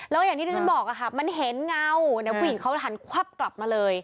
แล้วอย่างที่ที่ฉันบอกมันเห็นเงาเนี่ยผู้หญิงเขาหันควับกลับมาเลย